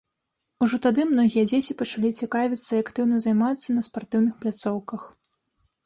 Ужо тады многія дзеці пачалі цікавіцца і актыўна займацца на спартыўных пляцоўках.